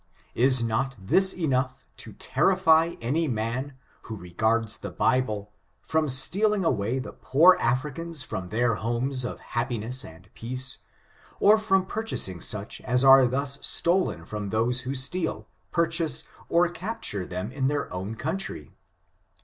Is not this enough to terrify any man, who regards the Bible, from stealing away the poor Africans from their homes of happiness and peace, or from purchasing such as are thus stolen from those who steal, purchase, or capture them in their own country?